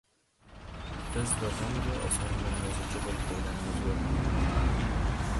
Biz birdaniga osongina yozuvchi bo‘lib qolganimiz yo‘q.